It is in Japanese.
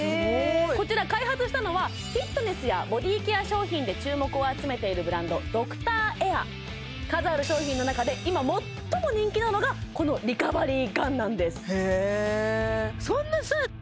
こちら開発したのはフィットネスやボディーケア商品で注目を集めているブランド数ある商品の中で今最も人気なのがこのリカバリーガンなんですへえ